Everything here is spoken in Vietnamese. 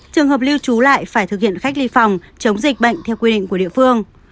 trường hợp lưu trú lại phải thực hiện cách ly phòng chống dịch bệnh theo quy định của địa phương